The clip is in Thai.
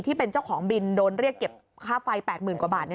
ที่เป็นเจ้าของบินโดนเรียกเก็บค่าไฟ๘๐๐๐กว่าบาท